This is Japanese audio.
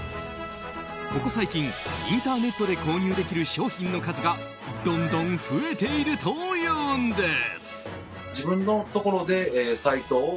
ここ最近、インターネットで購入できる商品の数がどんどん増えているというんです。